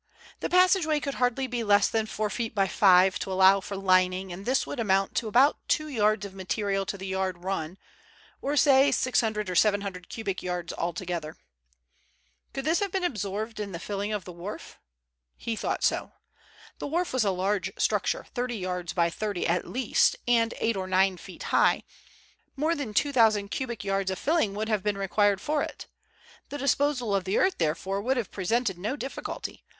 The passageway could hardly be less than four feet by five, to allow for lining, and this would amount to about two yards of material to the yard run, or say six hundred or seven hundred cubic yards altogether. Could this have been absorbed in the filling of the wharf? He thought so. The wharf was a large structure, thirty yards by thirty at least and eight or nine feet high; more than two thousand cubic yards of filling would have been required for it. The disposal of the earth, therefore, would have presented no difficulty.